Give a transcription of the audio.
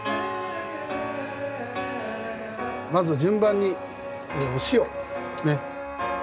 まず順番にお塩ね。